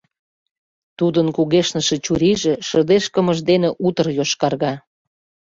Тудын кугешныше чурийже шыдешкымыж дене утыр йошкарга.